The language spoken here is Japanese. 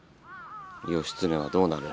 義経はどうなる？